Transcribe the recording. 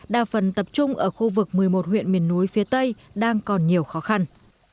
đa phần tập trung ở khu vực một mươi một huyện miền núi phía tây đang còn nhiều khó khăn